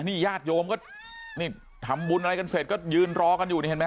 นี่ญาติโยมก็นี่ทำบุญอะไรกันเสร็จก็ยืนรอกันอยู่นี่เห็นไหม